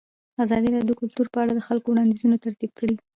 ازادي راډیو د کلتور په اړه د خلکو وړاندیزونه ترتیب کړي.